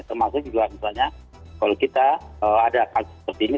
termasuk juga misalnya kalau kita ada kasus seperti ini